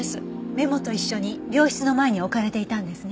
メモと一緒に病室の前に置かれていたんですね？